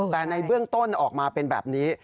แต่ในเบื้องต้นออกมาเป็นแบบนี้